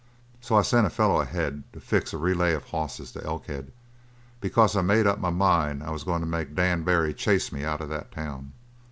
So I sent a feller ahead to fix a relay of hosses to Elkhead, because I made up my mind I was going to make Dan Barry chase me out of that town.